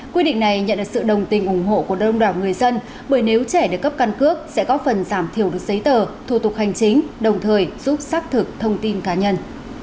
quy định này nhận được sự đồng tình ủng hộ của đông đảo người dân bởi nếu trẻ được cấp căn cước sẽ có phần giảm thiểu được giấy tờ thủ tục hành chính đồng thời giúp xác thực thông tin cá nhân